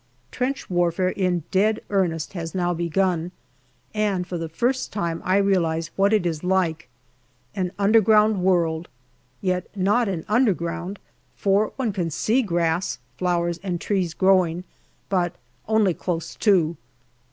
Trench warfare in dead earnest has now begun, and for the first time I realize what it is like : an underground world, yet not an underground, for . one can see grass, flowers, and trees growing, but only close to.